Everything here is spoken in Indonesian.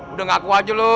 udah ngaku aja lu